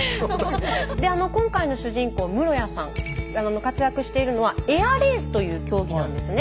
で今回の主人公室屋さん活躍しているのはエアレースという競技なんですね。